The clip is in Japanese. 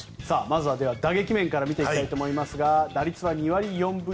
まずは打撃面から見ていきたいと思いますが打率は２割４分４厘。